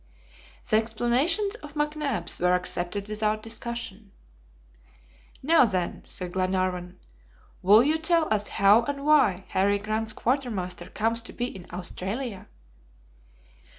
The explanations of McNabbs were accepted without discussion. "Now, then," said Glenarvan, "will you tell us how and why Harry Grant's quartermaster comes to be in Australia?"